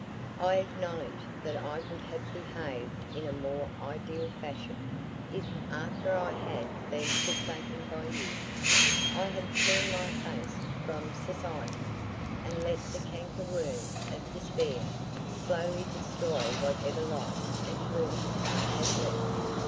I acknowledge that I would have behaved in a more ideal fashion, if, after I had been forsaken by you, I had turned my face from society, and let the canker worm of despair slowly destroy whatever life and bloom I had left.